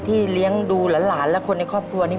เลี้ยงดูหลานและคนในครอบครัวนี้